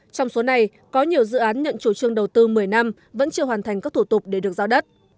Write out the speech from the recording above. trong số này có nhiều dự án nhận chủ trương đầu tư một mươi năm vẫn chưa hoàn thành các thủ tục để được giao đất